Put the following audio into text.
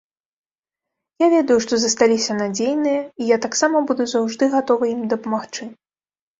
Я ведаю, што засталіся надзейныя, і я таксама буду заўжды гатовы ім дапамагчы.